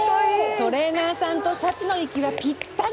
トレーナーさんとシャチの息はぴったり！